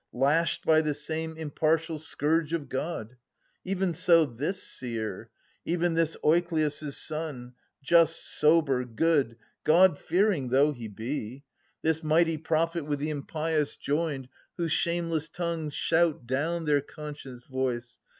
Lashed by the same impartial scourge of God. Even so this seer, even this Oikleus' son — Just, sober, good, godfearing though he be — 6io This mighty prophet, with the impious joined Whose shameless tongues shout down their conscience' voice.